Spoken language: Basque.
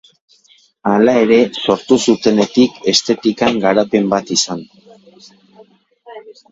Hala ere, sortu zutenetik, estetikan garapen bat izan du.